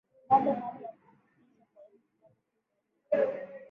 Bado hali ni ya kusikitisha kwa nchi kama Tanzania